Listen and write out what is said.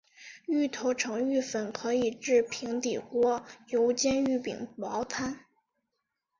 芋头成芋粉可以制平底锅油煎芋饼薄餐。